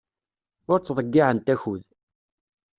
Ur ttḍeyyiɛent akud.